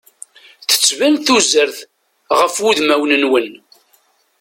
Tettban tuzert ɣef udmawen-nwen.